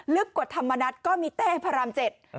พี่วันมีแท่งพระรามเจ็ด